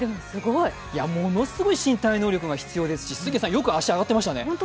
ものすごい身体能力が必要ですし、杉谷さん、よく足、上がっていましたね。